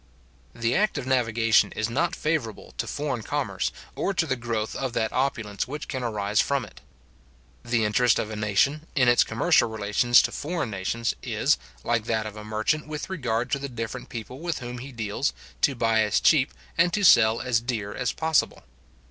The act of navigation is not favourable to foreign commerce, or to the growth of that opulence which can arise from it. The interest of a nation, in its commercial relations to foreign nations, is, like that of a merchant with regard to the different people with whom he deals, to buy as cheap, and to sell as dear as possible.